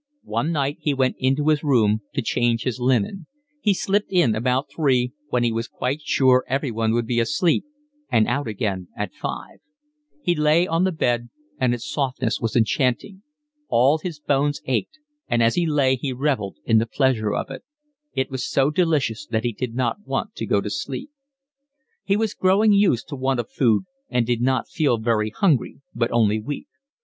One night he went into his room to change his linen; he slipped in about three, when he was quite sure everyone would be asleep, and out again at five; he lay on the bed and its softness was enchanting; all his bones ached, and as he lay he revelled in the pleasure of it; it was so delicious that he did not want to go to sleep. He was growing used to want of food and did not feel very hungry, but only weak.